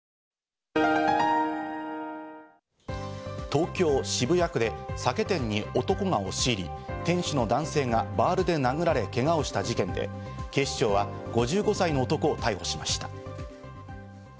東京・渋谷区で酒店に男が押し入り、店主の男性がバールで殴られけがをした事件で、警視庁は５５歳の男を逮捕しました。